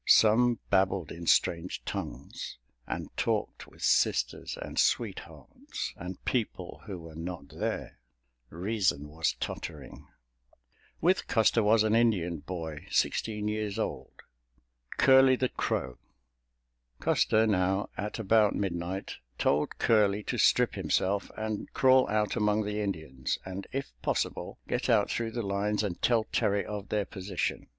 Some babbled in strange tongues, and talked with sisters and sweethearts and people who were not there—reason was tottering. With Custer was an Indian boy, sixteen years old, "Curley the Crow." Custer now at about midnight told Curley to strip himself and crawl out among the Indians, and if possible, get out through the lines and tell Terry of their position.